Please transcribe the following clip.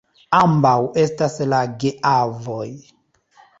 Ambaŭ estas la geavoj.